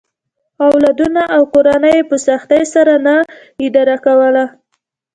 اولادونه او کورنۍ یې په سختۍ سره نه اداره کوله.